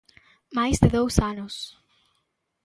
Máis de dous anos.